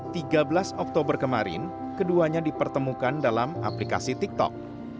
tiga belas oktober kemarin keduanya dipertemukan dalam aplikasi tiktok